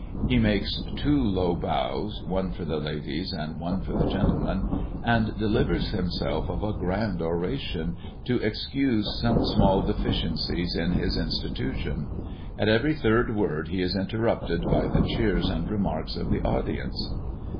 He makes two low bows, one for the ladies and one for the gentlemen, and delivers himself of a grand oration, to excuse some small deficiences in his institution. At every third word he is interrupted by the cheers and remarks of the audience.